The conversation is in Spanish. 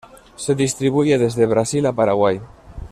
Se distribuye desde Brasil a Paraguay.